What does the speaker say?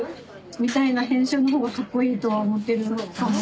みたいな編集のほうがかっこいいとは思ってるかも。